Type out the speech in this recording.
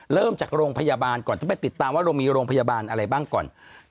เริ่มจากโรงพยาบาลก่อนต้องไปติดตามว่าเรามีโรงพยาบาลอะไรบ้างก่อน